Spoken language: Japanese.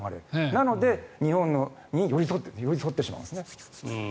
なので、日本に寄り添ってしまうんですね。